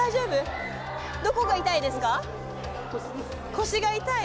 腰が痛い。